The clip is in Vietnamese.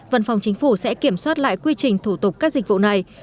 văn phòng chính phủ sẽ kiểm soát lại quy trình thủ tục các dịch vụ này